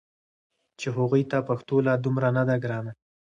چې هغوی ته پښتو لا دومره نه ده ګرانه